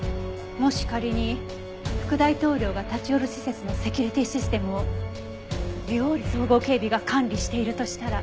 もし仮に副大統領が立ち寄る施設のセキュリティーシステムをビゴーレ総合警備が管理しているとしたら。